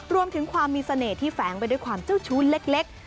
รวมถึงความมีเสน่ห์ที่แฝงไปด้วยความเจ้าชู้เล็ก